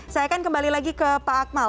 saya akan kembali lagi ke pak akmal